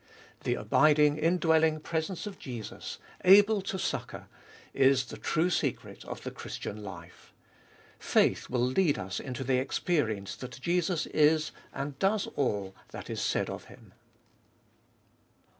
The abiding, indwelling presence of Jesus, able to succour, is the true secret of the Christian life. Faith will lead us into the experience that Jesus is and does all that is said of Him.